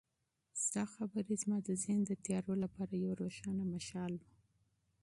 ستا خبرې زما د ذهن د تیارو لپاره یو روښانه مشال و.